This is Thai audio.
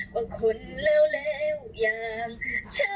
ก็คนเลวอย่างเธอ